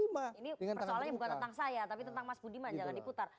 ini persoalannya bukan tentang saya tapi tentang mas budiman jangan diputar